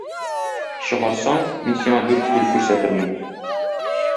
Чыгарсаң, мин сиңа дүрт күл күрсәтермен.